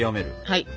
はい。